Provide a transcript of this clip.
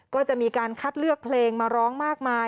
ก็จะมีการคัดเลือกเพลงมาร้องมากมาย